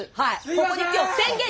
ここで今日宣言。